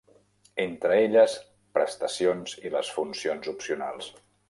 Entre elles prestacions i les funcions opcionals.